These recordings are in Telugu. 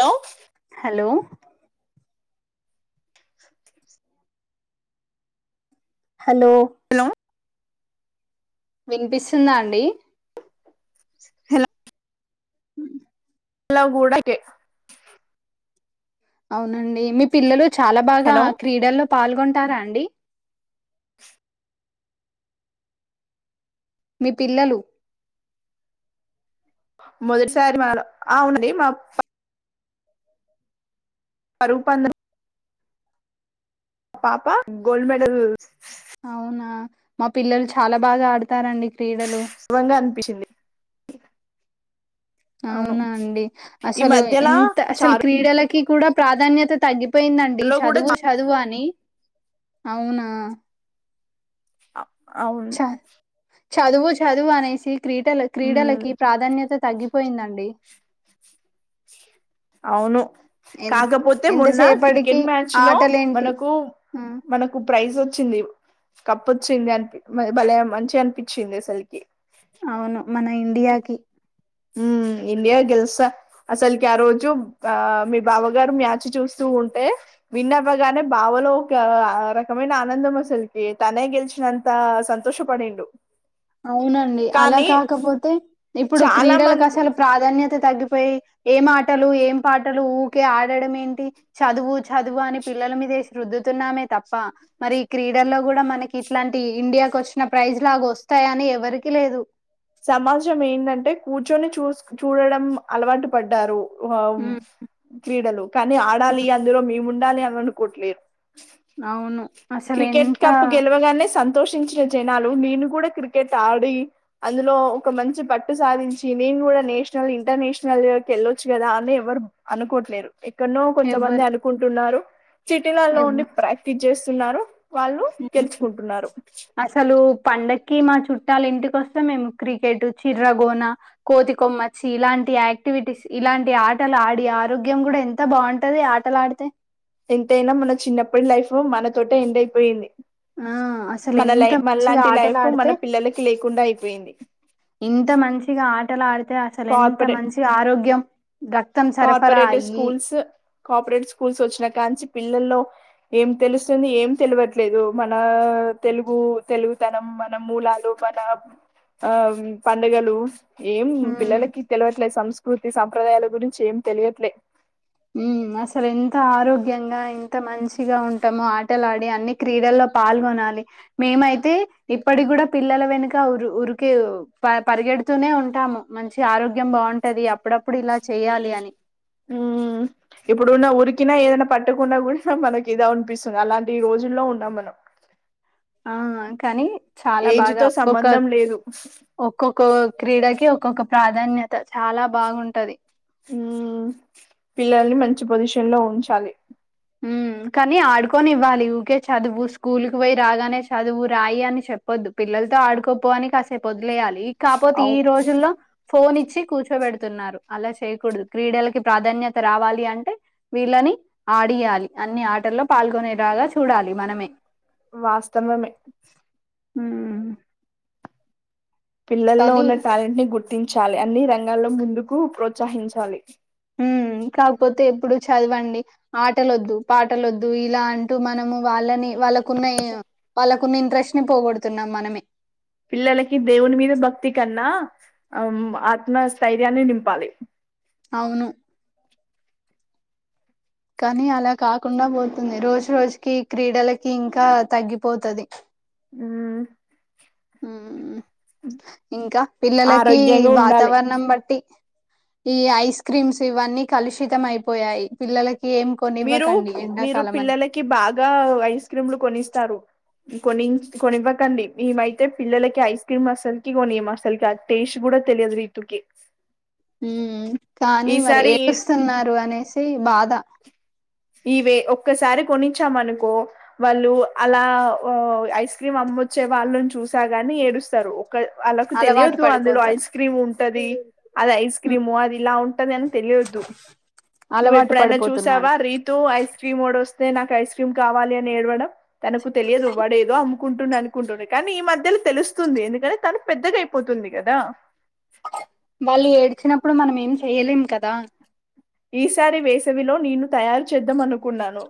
లో లో హలో హలో వినిపిస్తుందా అండి హల్ లా కూడా టె అవునండి మీ పిల్లలు చాలా బాగా హలో క్రీడల్లో పాల్గొ టారా అండి మీ పిల్లలు మొదటిసారి మా ఆ అవునండి మా ప పరుగుపదే పాప గోల్డ్ మెడల్ అవునా మా పిల్లలు చాలా బాగా ఆడతారండి క్రీడలు పిస్తుంది అవునా అండి అసలు మధ్యలా ఎంత అసలు చారులో క్రీడలకి కూడా ప్రాధాన్యత తగ్గి అ పోయిందండి కూడా చదువు చదువు అని అవునా ఆ అవును చ చదువు చదువు అనేసి క్రీడల ఉమ్ క్రీడలకి ప్రాధాన్యత తగ్గిపోయిందండి అవును ఎన్ కాకపోతే మొన్న ఎంతసేపటికి క్రికెట్ మ్యాచ్ లో ఆటలేంటి మనకు ఆ, మనకు ప్రైజ్ ఒ వచ్చింది కప్పొచ్చింది అనిపి భలే మంచిగా అనిపించింది అసలుకి అవును మన ఇండియాకి ఉమ్ ఇండియా గెలుసా అసల్కి ఆ రోజు ఆ మీ బావగారు మ్యాచ్ చూస్తూ ఉంటే విన్న వ్వగానే బావలో ఒక రకమైన ఆనందం అసలుకి తనే గెలిచినంత సంతోషపడిండు అవునండి అలా కానీ కాకపోతే ఇప్పుడు చాలా క్రీడలకు మంది అసల్ ప్రాధాన్య తె తగ్గిపోయి ఏం ఆటలు ఏం పాటలు ఊకే ఆడడం ఏంటి చదువు చదువు అని పిల్లల మీద రుద్దుతున్నామే తప్ప మరి ఈ క్రీడల్లో కూడ మనకి ఇట్లాంటి ఇండియాకు వచ్చిన ప్రైజ్ లాగ వస్తు వస్తాయని ఎవరికి లేదు సమాజం ఏంటంటే కూర్చొని చూస్ చూడడం అలవాటు పడ్డారు వావ్ ఉమ్, క్రీడలు కానీ ఆడాలి ఉమ్, అందులో మేము ఉండాలి అని అనుకోవట్లేరు అవును అసలు క్రికెట్ ఎంత కప్ గెలవగానే సం తోషించిన జనాలు నేను కూడ క్రికెట్ ఆడి అందులో ఒక మంచి పట్టు సాధించి నేను కూడా నేషనల్ ఇంటర్నేషనల్కి వెళ్ళొచ్చు కదా అని ఎవరు అనుకోట్లేరు ఎక్కడనో కొంతమంది ఎవ్వరు అనుకుంటున్నారు సిటీలలో ఎవ్ ఉండి ప్రాక్టీస్ చేస్తున్నారు వాళ్ళు గెలుచుకుంటున్నారు అసలు పండక్కి మా చుట్ టాయి ఇంటిక వస్తే మేము క్రికెట్ చిర్ర గోన కోతి కొమ్మచ్చి ఇలాంటి యాక్టివిటీస్ ఇ ఇలాంటి ఆటలు ఆడి ఆరోగ్యం కూడ ఎంత బాగుంటది ఆటలు ఆడితే ఎంతైన మన చిన్నప్పటి లైఫ్ మన తోటె ఎండ్ అయిపోయింది ఆ అసలు మన ఎంత లై మంచిగా మన్లాంటి ఆటలు లైఫ్ మన ఆడితే పిల్లలకి లేకుండ అయిపోయింది ఇంత మంచిగ ఆ డై అసలు ఎంత మంచి ఆరోగ్యం రక్తం సరఫరా కార్పొరేట్ అయ్యి స్కూల్స్ కాపరేట్ స్కూల్స్ వచ్చినా కాంచి పిల్లల్లో ఏం తెలుస్తుంది ఏం తెల్వట్లేదు మన తెలుగు తెలుగుతనం మన మూలాలు మన ఆ పండగలు ఉమ్ తెల్వట్లే సంస్కృతి సంప్రదాయాల గురించి ఏం తెలియట్లేదు అసలు ఎంత ఆరోగ్యంగా ఎంత మంచిగా ఉంటామో ఆటలాడి అన్ని క్రీడల్లో పాల్గొనాలి మేమైతే ఇప్పటి కూడ పిల్లల వెనుక ఉరికే పరి గెడుతూనే ఉంటాము మంచి ఆరోగ్యం బాగుంటది అప్పుడప్పుడు ఇలా చెయాలి అని ఉమ్ ఇప్పుడున్న ఉరికినా ఏదన్నా పట్టుకున్నా కూడ మనకి ఇదా అనిపిస్తుంది అలాంటి రోజుల్లో ఉన్నాం మనం ఆ కానీ చాలా ఏజ్ బాగ తో ఒొక్క సంబంధం లేదు ఒక్కొక్క క్రీడకి ఒక్కొక్క ప్రాధాన్యత చాలా బాగుంటది మ్ పిల్లల్ని మంచి పొజిషన్లో ఉంచాలి ఉమ్ కానీ ఆడుకొనివ్వాలి ఊకే చదువు స్కూల్కి పోయి రాగానే చదువు రాయి అని చెప్పొద్దు పిల్లల్ ఆడుకోపోవనికి కాసేపు వదిలేయాలి కాకపోతే అవు ఈ రోజుల్లో ఫోన్ ఇచ్చి కూర్చోబెడుతున్నారు అలా చేయకూడదు క్రీడలకి ప్రాధాన్యత రావాలి అంటే వీళ్ళని ఆడియాలి అన్ని ఆటల్లో పాల్గొనేలాగ వాస్తవమే హుమ్ పిల్లల్లో ఉన్న టాలెంట్ని గుర్తించాలి అన్ని రంగాల్లో ముందుకు ప్రోత్సహించాలి ఉమ్ కాకపోతే ఎప్పుడు చదవండి ఆట లొద్దు పాటలొద్దు ఇలా అంటూ మనము వాళ్ళని వాళ్ళకున్న వాళ్ళకున్న ఇంట్రెస్ట్ ని పోగొడుతున్నాం మనమే పిల్లలకి దేవుని మీద భక్తి కన్నా అమ్ ఆత్మస్థైర్యాన్ని నింపాలి అవును కానీ అలా కాకుండా పోతుంది రోజు రోజుకి క్రీడలకి ఇంకా తగ్గిపోతుది మ్మ్ మ్మ్ ఇంకా పిల్లలకి ఆరోగ్యంగా ఉండాలి వాతావరణం బట్టి ఈ ఐస్ క్రీమ్స్ ఇవన్నీ కలుషితం అయిపోయాయి పిల్లలకి ఏం మీరు కొనివ్వకండి మీరు ఎండాకాలం అని పిల్లలకి బాగా ఐస్ క్రీమ్లు కొనిస్తారు కొని కొనివ్వకండి మేమైతే పిల్లలకి ఐస్ క్రీమ్ అస్సలుకి కొనిం అసలుకి టేస్ట్ కూడా తెలియదు రీతూకి మ్మ్ కానీ మరి ఏస్తున్నారు అనేసి బాధ ఇవే ఒక్కసారి కొనిచ్చాంనుకో వాళ్ళు అలా ఐస్ క్రీమ్ అమ్ వచ్చే వాళ్ళని చూసాగాని ఏడుస్తారు వాళ్ళకు అలవాటు తెలియదు అందులో పడిపోతారు ఐస్ క్రీమ్ ఉంటది అది ఐస్ ఉమ్, క్రీము అది ఇలా ఉంటంది అని తెలియద్దు నువ్వు అలవాటు ఎప్పుడైనా చూసావా పడిపోతున్నారు రీతు ఐస్ క్రీమ్ వాడు వస్త వే నాకు ఐస్ క్రీమ్ కావాలి అని ఏడడం తనకు తెలియదువ్వడేదో అమ్కుంటుంది అనుకుంటున్నా కానీ ఈ మధ్య తెలుస్తుంది ఎందుకంటే తను పెద్దగాయిపోతుంది కదా వాళ్ళు ఏడ్చినప్పుడు మనం ఏం చెయలేం కదా ఈసారి వేసవిలో నేను తయారు చేద్దాం అనుకున్నాను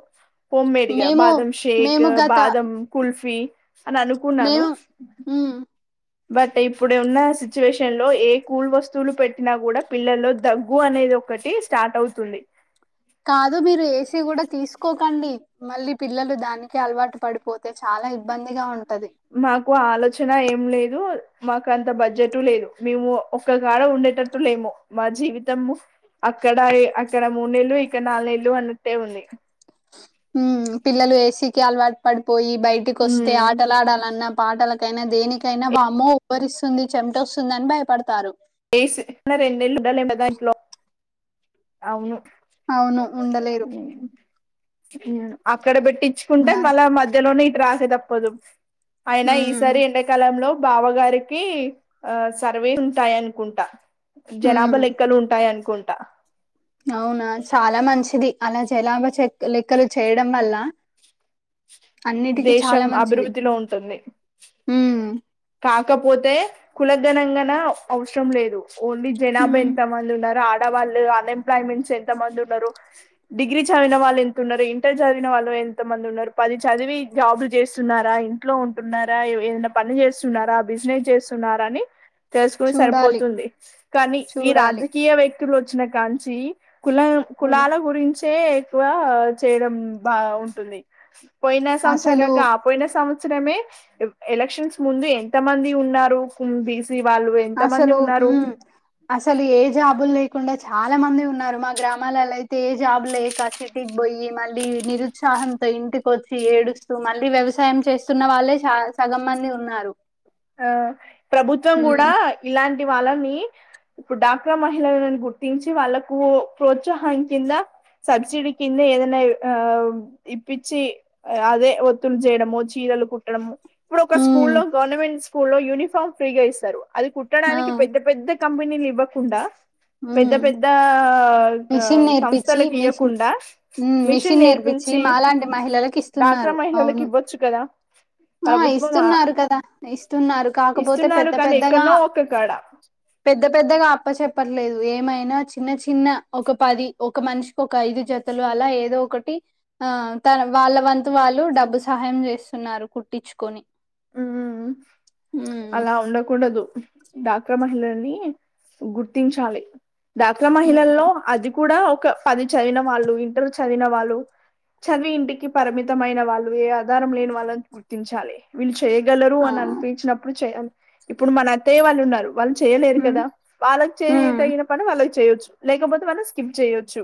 హోమ్ మేడ్గా మేము బాదం షేక్ మేము గత బాదం కుల్ఫీ అని అనుకున్నాను మేము మ్మ్ బట్ ఇప్పుడు ఉన్న సిచ్యువేషన్ లో ఏ కూల్ వస్తువులు పెట్టినా కూడా పిల్లల్లో దగ్గు అనే అనేది ఒకటి స్టార్ట్ అవుతుంది కాదు మీరు ఏసీ కూడా తీసుకోకండి మళ్ళీ పిల్లలు దానికే అలవాటు పడిపోతు అయితే చాలా ఇబ్బందిగా ఉంటది వచ్చిన ఏం లేదు మాకు అంత బడ్జెట్ లేదు మేము ఒక్క కాడా ఉండేటట్టు లేము మా జీవితం అక్కడ అక్కడ మూడు నెళ్లు ఇక్కడ నాలుగు నెలు అన్నట్టే ఉంది హ్మ్ పిల్లలు ఏసీకి అలవాటు పడిపోయి బయటికి వస్తే హ్మ్. ఆటలాడాలన్న పాటల కైనా దేనికైనా వా అమ్మ ఉబ్బరిస్తుంది చెమిట వస్తుంది అని భయపడతారు వ రొండు నెలలు ఉండలేం కథ ఇంట్లో అవును అవును హ్మ్ అక్కడ పెట్టించుకుంటే దాని మళ్ళ మధ్యలోనే రాసే తప్పదు అయినా ఉమ్, ఈసారి ఎండాకాలంలో బావగారికి ఆ సర్వే ఉంటాయి అనుకుంటా జనాభా ఉమ్, లెక్కలు ఉంటాయి అనుకుంటా అవునా చాలా మంచిది అలా జలాభ చె లెక్కలు చేయడం వల్ల అన్నిటికిీ దేశం చాలా మంచిది అభివృద్ధిలో ఉంటుంది హ్మ్ కాకపోతే కులఘణంగాన అవసరం లేదు ఓన్లీ జనాభా ఉమ్, ఎంత మంది ఉన్నారో ళ్ళు అన్ ఎంప్లాంట్స్ ఎంత మంది ఉన్నారు డిగ్రీ చదివిన వాళ్ళు ఎ ఉన్నారు ఇంటర్ చదివిన వాళ్ళు ఎంత మంది ఉన్నారు పది చదివి జాబ్లు చేస్తున్నారా ఇంట్లో ఉంటున్నారా ఏదైనా పని చేస్త స్తు బిజినెస్ చేస్తున్నరా అని తెలుసుకుని చూడాలి సరిపోతుంది కానీ ఈ చూడాలి రాజకీయ వ్యక్తులు వచ్చిన కాంచి కులం కుల కులాల గురించే ఎక్కువ చేయడం బా ఉంటుంది పోయిన సంవత్సరం అసలు కాక ఆ పోయినా సంవత్సరమే ఎలక్షన్స్ ముందు ఎంత మంది ఉన్నారు కుంది అసలు మ్మ్ అసలు ఏ జాబుల్ కాకుండా చాలా మంది ఉన్నారు మా గ్రామాలలో అయితే ఏ జాబ్ లేక సిటీకి పోయి మళ్ళీ నిరుత్సాహం వివాహంతో ఇంటికి వచ్చి ఏడుస్తూ మళ్ళీ వ్యవసాయం చేస్తున్న వాళ్ళే చ సగం మంది ఉన్నారు ఆ ప్రభుత్వం హ్మ్ కూడా ఇలాంటి వాళ్ళని ఇప్పుడు డాక్రా మహిళలను గుర్తించి వాళ్ళలకు ప్రోత్సాహం కింద సబ్సిడీ కింద ఏదనా ఇప్పించి అదే ఒత్తులు చేయడమో జల్కుడము ఇప్పుడు ఒక స్కూల్ హ్మ్ లో గవర్నమెంట్ స్కూ లో యూనిఫామ్ ఫ్రీగా ఇస్తారు అది ఆ కుట్టడానికి పెద్ద పెద్ద కంపెనీలు ఇవ్వకుండా పెద్ద హ్మ్ పెద్ద మిషన్ నేర్పిచ్చి సంస్థలకు మిషన్ ఇవ్వకుండా హ్మ్ మిషన్ నేర్పిచ్చి నేర్పించి మాలాంటి మహిళలకు డా ఇస్తున్నారు. అక్రమైిహిళకి అవును ఇవ్వొచ్చు కదా ఆ ప్రభుత్వం ఇస్తున్నారు కదా ఇస్తు కాకపోతే ఇస్తున్నారు పెద్ద కానీ పెద్దగా ఎక్కడనో ఒక్క కాడ పెద్ద పెద్దగా అప్ప చె చెపర్లేదు ఏమైనా చిన్న చిన్న ఒక పది ఒక మనిషికి ఒక ఐదు జతలు అలా ఏదో ఒకటి ఆ త వాళ్ళ వంతు వాళ్ళు డబ్బు సహాయం చేస్తున్నారు కుట్టించుకొని ఉ ఉమ్ అలా ఉండకూడదు డాక్రా మహిళలని గుర్తించాలి డాక్రా మహిళల్లో ఉమ్ అది కూడా ఒక పది చదివిన వాళ్ళు ఇంటర్ చదివిన వాళ్ళు చదివి ఇంటికి పరిమితమైన వాళ్ళు ఏ ఆధారం లేని వాళ్ళని గుర్తించాలి వీళ్ళు చేయగలరు ఆ అని అనిపించినప్పుడు చేయ ఇప్పుడు మన అత్తయ వాళ్ళు ఉన్నారు వాళ్ళు చేయలేరు ఉమ్ కదా వాళ్ళకి చేయ ఉమ్ తయిన పని వాళ్ళకి చేయవచ్చు లేకపోతే మనం స్కిప్ చేయొచ్చు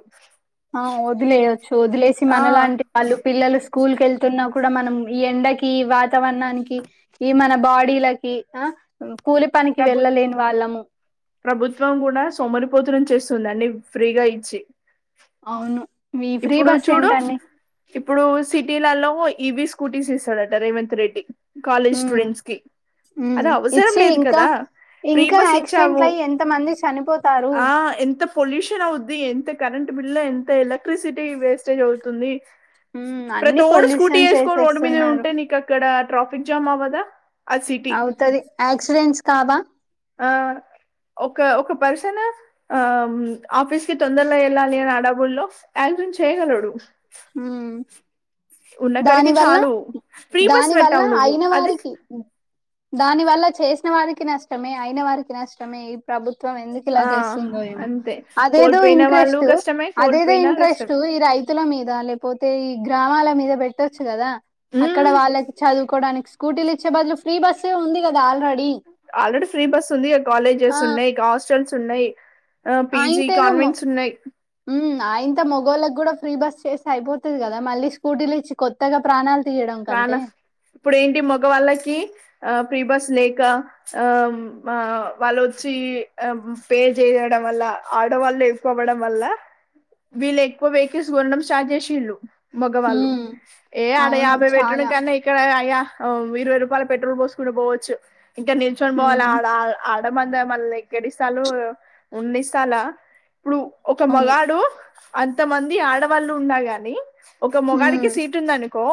చోదులేసి ఆ మనలాంటి పళ్ళు పిల్లలు స్కూల్ క వెళ్తున్నా కూడా మనం ఈ ఎండకి వాతావరణానికి ఈ మన బాడీలకి ఆ కూలి పనికి ప్రభు వెళ్ళలేని వాళ్ళము ప్రభుత్వం కూడా సోమరిపోతలని చేస్తుంది అన్నిీ ఫ్రీగా ఇచ్చి అవును మీ ఫ్రీ ఇప్పుడు బస్ చూడు ఏంటండి ఇప్పుడు సిటీలలో ఈవీ స్కూటీస్ ఇస్తాడట Revanth Reddy college um students కి ఉమ్ అది అవసరం ఇచ్చి లేదు ఇంకా కదా ప్రీ ఇంకా బస్ ఇచ్చవు యాక్సిడెంట్లు అయి ఎంత మంది చనిపోతారు ఆ ఎంత పొల్యూషన్ అవుద్ది ఎంత కరెంట్ బిల్ ఎంత ఎలక్ట్రిసిటీ వేస్టేజ్ అవుతుంది ఉమ్ ప్రతి అన్ని ఒడు స్కూటీ పొల్యూషన్ వేసుకోొని రోడ్ మీద చేసేస్తున్నారు ఉంటే నీకు అక్కడ ట్రాఫిక్ జామ్ అవ్వదా ఆ సిటీ అవుతుది యాక్సిడెంట్స్ కావా ఆ ఒక ఒక పర్సన్ ఆ ఆఫీస్ కి తొందరలో వెళ్ళాలి అని ఆడబుల్లోల్ చేయగలడు హ ఉన్నక్కడికి దానివల్ల చాలు ఫ్రీ బస్ దాని వల్ల పెట్టావు నువ్వు అయిన అది వారికి దాని వల్ల చేసిన వారికి నష్టమే అయిన వారికి నష్టమే ఈ ప్రభుత్వం వం ఎందుకు ఇలా ఆ చేస్తుందో ఏమో అంతే అదేదో కోల్పోయిన వాళ్ళు ఇంట్రెస్ట్ కష్టమే అదేదో కోల్పోయినా ఇంట్రెస్ట్ కష్టమే ఈ రైతుల మీద లేకపోతే ఈ గ్రామాల మీద పెట్టొచ్చు కదా అక్కడ ఉమ్ వాళ్ళకి చదువు వడానికి స్కూటీలు ఇచ్చే బదులు ఫ్రీ బస్సు ఉంది కా ఆల్రెడీ ఆల్రెడీ ఫ్రీ బస్ ఉంది ఇక ఆ కాలేజెస్ ఉన్నాయి ఇక హాస్టల్స్ ఉన్నాయి ఆ పీజీ కాన్వెంట్స్ ఉన్నాయి ఆ ఇంత మొగోళ్ళ కూడా ఫ్రీ బస్ చేసి అయిపోతది కదా మళ్ళీ స్కూటీలు ఇచ్చి కొత్తగా ప్రాణాలు తీయడం ప్రాణ కంటే ఇప్పుడ ఏంటి మగవాల్ళకి ఆ ఫ్రీబస్ లేక ఆ వాళ్ళుొచ్చి పేరు చేయడం అలా ఆడవాళ్ళు ఎక్కుకోవడం వల్ల వీళ్ళు ఎక్కువ వెహికల్స్ కొనడం స్టార్ట్ చేసి వీళ్ళు మగవాళ్ళు హ్మ్ ఏ అవును అడయాభై చాలా పెట్టడంకన్న ఇక్కడ అయ ఇరవై రూపాయల పెట్రోల్ పోసుకుని పోవచ్చు ఇంకా నిల్చుొని పోవాలి హ్మ్ ఆడ ఆ మంద మళ్ల్ని ఎక్కడిస్తాలు ఉండిస్తాలా ఇప్పుడు ఒక అవును మగాడు అంతమంది ఆడవాళ్ళు ఉండగాని ఒక మొగాడికి హ్మ్ సీటు ఉందనుకో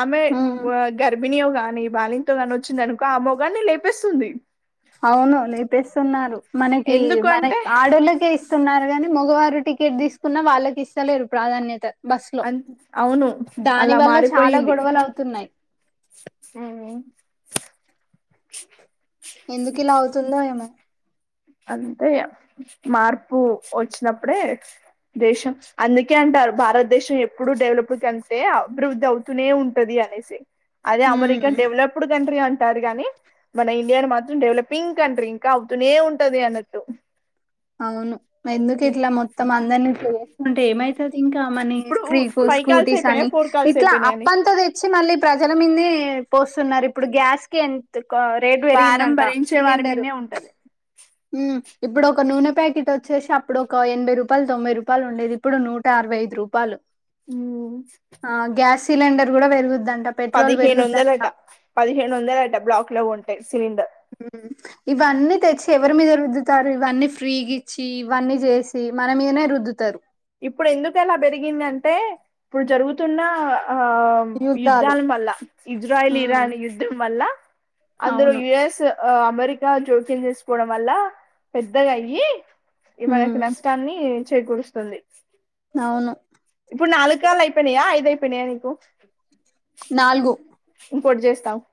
ఆమె హ్మ్ గర్భిణో గాని బాలింతో గాని వచ్చిందినుకో ఆ మోగాన్ని లేపిేస్తుంది అవును లేపిస్తున్నారు మనకి ఎందుకు మన అంటే ఆడోళ్ళకే ఇస్తున్నారు గాని మగవారు టికెట్ తీసుకున్నా వాళ్ళకి ఇస్తలేరు ప్రాధాన్యత బస్ లో అన్ అవును దాని అలా వల్ల చాలా గొడవలు అవుతున్నాయి అవును ఎందుకు ఇలా అవుతుందో ఏమో అంతే ఇగ మార్పు వచ్చినప్పుడే దేశం అందుకే అంటారు భారతదేశం ఎప్పుడు డెవలప్ కంటే అభివృద్ధి అవుతూనే ఉంటది అని అనేసి అదే హ్మ్ అమెరిన్ డెవలప్డు కంట్రీ అం టారు గాని మన ఇండియాను మాత్రం డెవలపింగ్ కంట్రీ ఇంకా అవుతూనే ఉంటది అన్నట్టు అవును ఎందుకు ఇట్లా మొత్తం అందరినీ ఇట్ల చేస్తుంటే ఏమైతది ఇంకా మనీ ఇప్పుడు ఫ్రీకు ఫైవ్ కాల్స్ స్కూటీస్ అని అయిపోయినాయి ఫోర్ కాల్స్ ఇట్లా అయిపోయినాయి అని అప్పంతా తెచ్చి మళ్ళీ ప్రజల మీనే పోస్తున్నారు ఇప్పుడు గ్యాస్ కి ఎంత క రేటు భారం పెరిగిందంట భరించే వారి సిలిండర్ మీనే ఉంటది ఊ ఇప్పుడు ఒక నూనె ప్యాకెట్ వచ్చేసి అప్పుడు ఒక ఎనభై రూపాయలు తొంభై రూపాయలు ఉండేది ఇప్పుడు నూట అరవై రూపాలు ఊ సిలిండర్ కూడా పెరుగుద్దన్ పదిహేను వందలట పదిహేను వందలట బ్లాక్ లో కొంటె సిలిండర్ ఇవన్నీ తెచ్చి ఎవరి మీద రుద్దుతారు ఇవన్నీ ఫ్రీగిచ్చి ఇవన్నీ చేసి మన మీదనే రుద్దుతరు ఇప్పుడు ఎందుకు ఎలా పెరిగిందంటే ఇప్పుడు జరుగుతున్న ఆ యుద్ధాలు మల్ల ఇజ్రాయల్ ఉమ్ ఇరాన్ యుద్ధం వల్ల అందులో అవును యుఎస్ ఊ ఆ అమెరికా జోక్యం చేసుకోవడం వల్ల పెద్దగయ్యి ఇగ మనకు ఉమ్ నష్టాన్ని చేకూరుస్తుంది అవును ఇప్పుడు నాలు కాలు అయిపోనయా ఐదు అయిపోనయా నీకు నాలుగు ఇంకోటి చేస్తా ఆగు